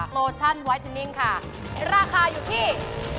ลอชั่นราคาอยู่ที่